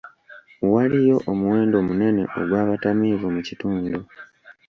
Waliyo omuwendo munene ogw'abatamiivu mu kitundu.